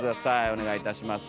お願いいたします。